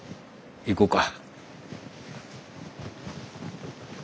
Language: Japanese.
行こうか。